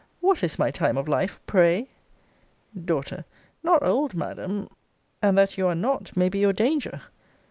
What is my time of life, pray? D. Not old, Madam; and that you are not, may be your danger!